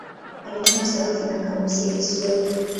Alitunga sarufi na kamusi ya Kiswahili.